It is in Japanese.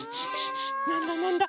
なんだなんだ？